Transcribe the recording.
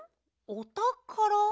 「おたから」？